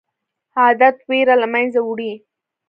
عادت ویره له منځه وړي.